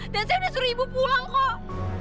dan saya udah suruh ibu pulang kok